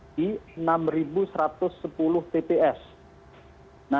nah alhamdulillah ini semua sudah terbentuk